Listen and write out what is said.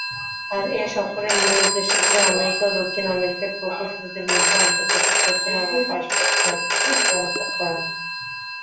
আর এ সফরের মূল উদ্দেশ্য ছিলো আমেরিকা ও দক্ষিণ আমেরিকার প্রকৌশলীদের মধ্য আন্তর্জাতিক পর্যায়ে পারস্পরিক সহযোগিতার উপর আলোকপাত করা।